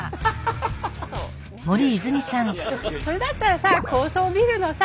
それだったらさ高層ビルのさ